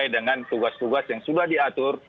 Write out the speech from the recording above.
dengan tugas tugas yang sudah diatur